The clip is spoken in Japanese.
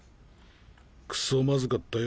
クソまずかったよ。